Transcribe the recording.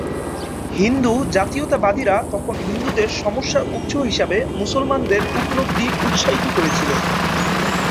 হিন্দু জাতীয়তাবাদীরা তখন হিন্দুদের সমস্যার উৎস হিসাবে মুসলমানদের উপলব্ধি উৎসাহিত করেছিল।